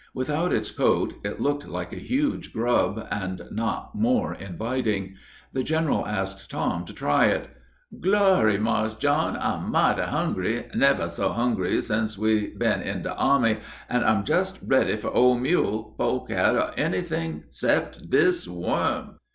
Without its coat it looked like a huge grub, and not more inviting. The general asked Tom to try it. "Glory, Marse John, I'm mighty hungry, nebber so hungry sense we been in de almy, and I'm just ready for ole mule, pole cat, or anyt'ing 'cept dis worm."